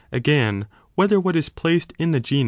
Again, whether what is placed in the genus 421 6th.